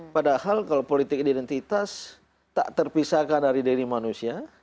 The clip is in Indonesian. padahal kalau politik identitas tak terpisahkan dari diri manusia